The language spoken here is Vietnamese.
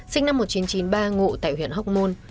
sinh năm một nghìn chín trăm chín mươi ba ngụ tại huyện hóc môn